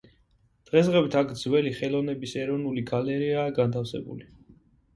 დღესდღეობით აქ ძველი ხელოვნების ეროვნული გალერეაა განთავსებული.